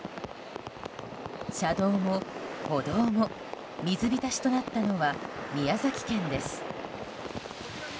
車道も、歩道も水浸しとなったのは宮崎県です。